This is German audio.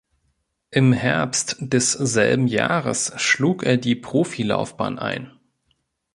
Im Herbst desselben Jahres schlug er die Profilaufbahn ein.